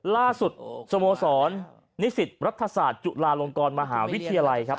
ล่าสุดสโมสรนิสิทธิ์รัฐศาสตร์จุฬาลงกรมหาวิทยาลัย